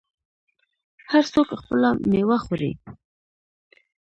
هر څوک خپله میوه خوري.